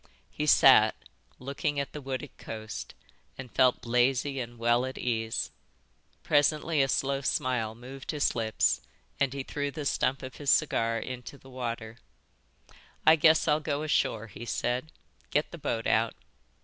He sat, looking at the wooded coast, and felt lazy and well at ease. Presently a slow smile moved his lips and he threw the stump of his cigar into the water. "I guess I'll go ashore," he said. "Get the boat out."